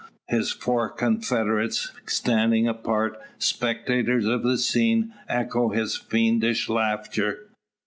His four confederates, standing apart, spectators of the scene, echo his fiendish laughter.